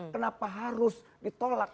kenapa harus ditolak